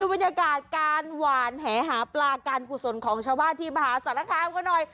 บรรยากาศการหวานแหหาปลาการกุศลของชาวบ้านที่มหาสารคามกันหน่อย